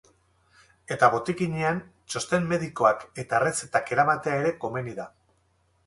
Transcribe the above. Eta botikinean txosten medikoak eta errezetak eramatea ere komeni da.